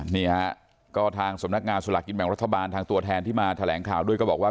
นี่ฮะก็ทางสำนักงานสลากกินแบ่งรัฐบาลทางตัวแทนที่มาแถลงข่าวด้วยก็บอกว่า